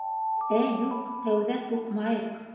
— Ә юҡ, тәүҙә туҡмайыҡ!